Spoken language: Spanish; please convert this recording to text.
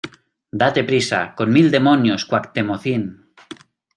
¡ date prisa, con mil demonios , Cuactemocín!